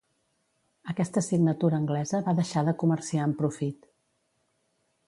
Aquesta signatura anglesa va deixar de comerciar amb profit.